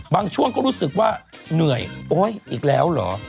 ช่วงก็รู้สึกว่าเหนื่อยโอ๊ยอีกแล้วเหรอ